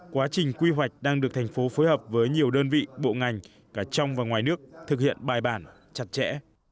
quá trình quy hoạch đang được thành phố phối hợp với nhiều đơn vị bộ ngành cả trong và ngoài nước thực hiện bài bản chặt chẽ